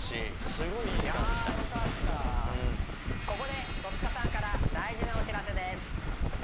ここで戸塚さんから大事なお知らせです